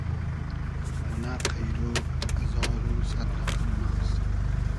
مونۂ قݷرۉ ازار و سئد رئقئم ناز